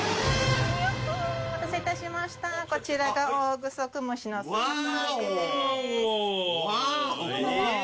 お待たせいたしましたこちらがオオグソクムシの姿揚げです。